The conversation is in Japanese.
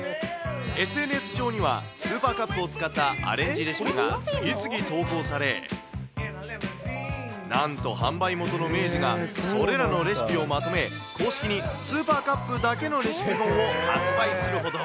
ＳＮＳ上には、スーパーカップを使ったアレンジレシピが次々投稿され、なんと販売元の明治が、それらのレシピをまとめ、公式にスーパーカップだけのレシピ本を発売するほど。